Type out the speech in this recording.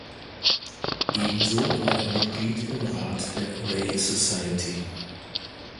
Ebenso war er Mitglied im Rat der Ray Society.